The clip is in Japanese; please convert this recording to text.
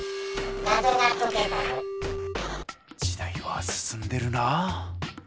時代は進んでるなぁ。